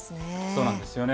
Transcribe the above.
そうなんですよね。